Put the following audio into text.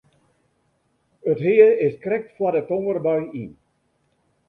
It hea is krekt foar de tongerbui yn.